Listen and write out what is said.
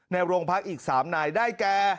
ในโรงพักอีก๓นายได้แก่